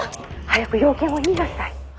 ☎早く用件を言いなさい。